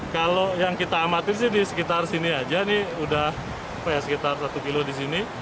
kalau yang kita amatin sih di sekitar sini aja ini udah sekitar satu kilo di sini